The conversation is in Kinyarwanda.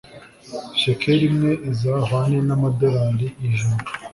shekeli imwe izahwane n’amadorali ijana